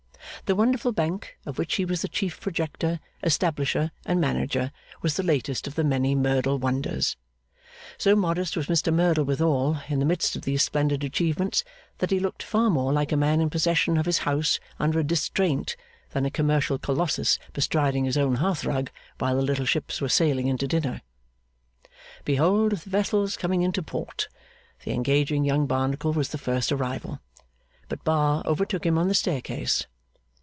The wonderful Bank, of which he was the chief projector, establisher, and manager, was the latest of the many Merdle wonders. So modest was Mr Merdle withal, in the midst of these splendid achievements, that he looked far more like a man in possession of his house under a distraint, than a commercial Colossus bestriding his own hearthrug, while the little ships were sailing into dinner. Behold the vessels coming into port! The engaging young Barnacle was the first arrival; but Bar overtook him on the staircase.